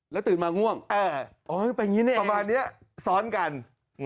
แล้วตื่นมาง่วมประมาณนี้ซ้อนกันงง